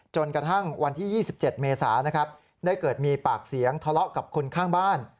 จนกระทั่งวันที่๒๗เมษานะครับได้เกิดมีปากเสียงทะเลาะกับคนข้างบ้าน